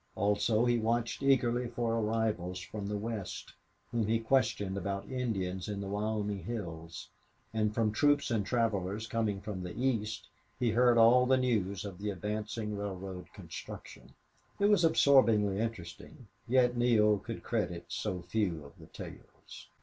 Also he watched eagerly for arrivals from the west, whom he questioned about Indians in the Wyoming hills; and from troops or travelers coming from the east he heard all the news of the advancing railroad construction. It was absorbingly interesting, yet Neale could credit so few of the tales.